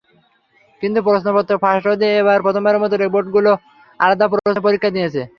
কিন্তু প্রশ্নপত্র ফাঁস রোধে এবার প্রথমবারের মতো বোর্ডগুলো আলাদা প্রশ্নে পরীক্ষা নিয়েছে।